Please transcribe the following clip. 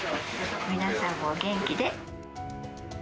皆さんもお元気で。